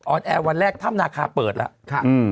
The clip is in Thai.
แอร์วันแรกถ้ำนาคาเปิดแล้ว